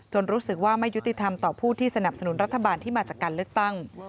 รู้สึกว่าไม่ยุติธรรมต่อผู้ที่สนับสนุนรัฐบาลที่มาจากการเลือกตั้ง